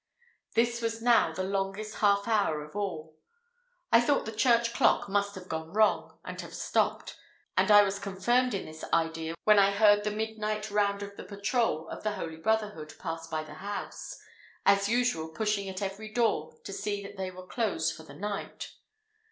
This was now the longest half hour of all. I thought the church clock must have gone wrong, and have stopped; and I was confirmed in this idea when I heard the midnight round of the patrol of the Holy Brotherhood pass by the house, as usual pushing at every door to see that all were closed for the night.